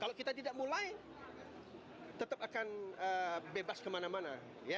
kalau kita tidak mulai tetap akan bebas kemana mana